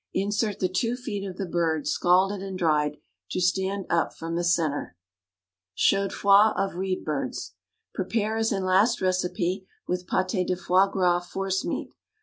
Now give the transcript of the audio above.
Insert the two feet of the bird, scalded and dried, to stand up from the centre. Chaudfroid of Reed birds. Prepare as in last recipe with pâté de foie gras force meat.